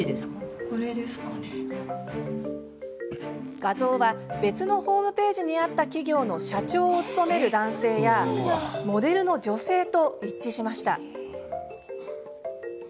画像は別のホームページにあった企業の社長を務める男性やモデルの女性と一致しました。